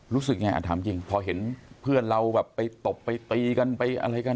รู้สึกไงถามจริงพอเห็นเพื่อนเราแบบไปตบไปตีกันไปอะไรกัน